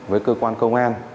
với cơ quan công an